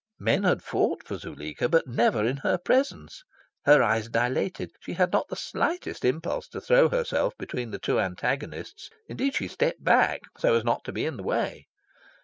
Men had fought for Zuleika, but never in her presence. Her eyes dilated. She had not the slightest impulse to throw herself between the two antagonists. Indeed, she stepped back, so as not to be in the way.